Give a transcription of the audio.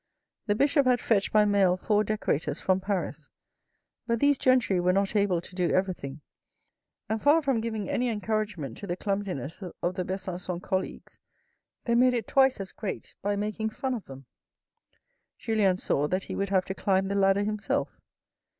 The Bishop had fetched by mail four decorators from Paris, but these gentry were not able to do everything, and far from giving any encouragement to the clumsiness of the Besancon colleagues, they made it twice as great by making fun of them. Julien saw that he would have to climb the ladder himself.